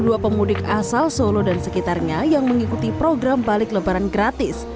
sebanyak dua tujuh ratus empat puluh dua pemudik asal solo dan sekitarnya yang mengikuti program balik lebaran gratis